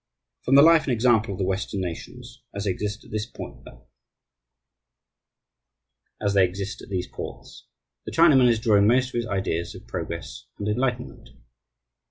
From the life and example of the Western nations, as they exist at these ports, the Chinaman is drawing most of his ideas of progress and enlightenment.